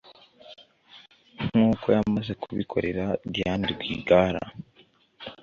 nk’uko yamaze kubikorera Diane Rwigara